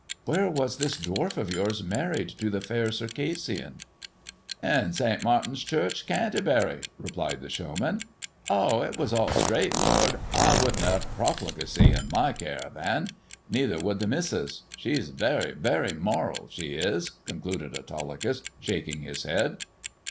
" Where was this dwarf of yours married to the Fair Circassian 1 "" In St. Martin's Church, Canterbury," replied the show man. " Oh, it was all straight, lord. I wouldn't have profligacy in my caravan. Neither would the missus. She's very, very moral, she is," concluded Autolycus, shaking his head.